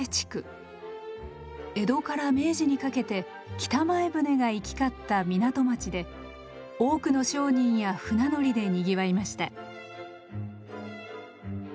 江戸から明治にかけて北前船が行き交った港町で多くの商人や船乗りでにぎわいました。